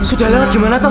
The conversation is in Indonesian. sudah lewat gimana tuh